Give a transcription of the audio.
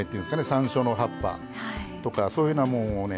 さんしょうの葉っぱとかそういうふうなもんをね